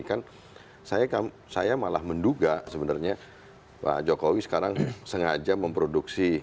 kan saya malah menduga sebenarnya pak jokowi sekarang sengaja memproduksi